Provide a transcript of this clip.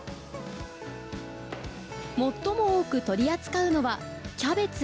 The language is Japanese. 最も多く取り扱うのはキャベツ。